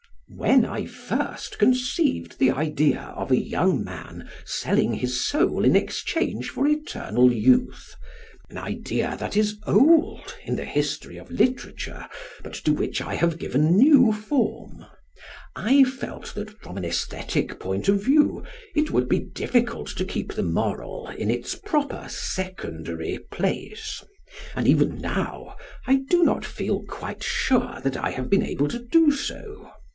When I first conceived the idea of a young man selling his soul in exchange for eternal youth an idea that is old in the history of literature, but to which I have given new form I felt that, from an æsthetic point of view, it would be difficult to keep the moral in its proper secondary place; and even now I do not feel quite sure that I have been able to do so.